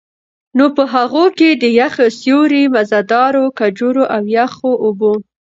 نو په هغو کي د يخ سيُوري، مزيدارو کجورو، او يخو اوبو